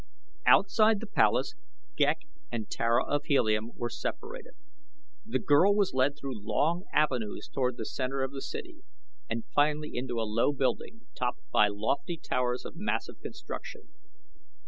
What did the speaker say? Outside the palace, Ghek and Tara of Helium were separated. The girl was led through long avenues toward the center of the city and finally into a low building, topped by lofty towers of massive construction.